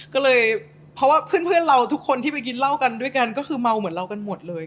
ก็เลยเพราะว่าเพื่อนเราทุกคนที่ไปกินเหล้ากันด้วยกันก็คือเมาเหมือนเรากันหมดเลย